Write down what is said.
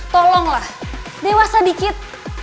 tolonglah dewasa dikit